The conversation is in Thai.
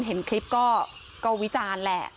ว่าเขามีอาวุธหรือเปล่าคนเห็นคลิปก็ก็วิจารณ์แหละ